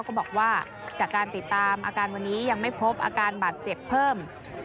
ก็บอกว่าจากการติดตามอาการวันนี้ยังไม่พบอาการบาดเจ็บเพิ่ม